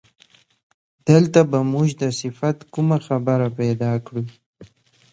دلته به موږ د صفت کومه خبره پیدا کړو.